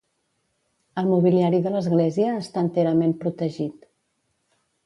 El mobiliari de l'església està enterament protegit.